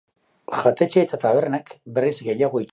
Jatetxe eta tabernek, berriz, gehiago itxaron beharko dute.